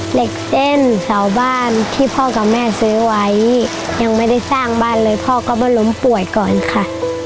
เหล็กเส้นเสาบ้านที่พ่อกับแม่ซื้อไว้ยังไม่ได้สร้างบ้านเลยพ่อก็มาล้มป่วยก่อนค่ะ